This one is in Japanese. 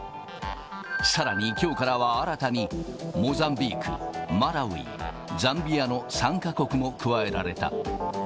さらに、きょうからは新たにモザンビーク、マラウイ、ザンビアの３か国も加えられた。